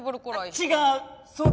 違う。